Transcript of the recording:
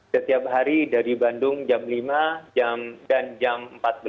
setiap hari dari bandung jam lima dan jam empat belas